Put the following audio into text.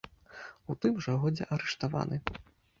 У тым жа годзе арыштаваны.